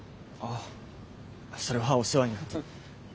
あそれはお世話になって。